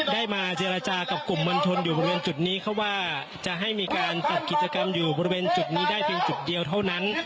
ได้มาเจรจากับกลุ่มมวลชนอยู่บริเวณจุดนี้เขาว่าจะให้มีการจัดกิจกรรมอยู่บริเวณจุดนี้ได้เพียงจุดเดียวเท่านั้น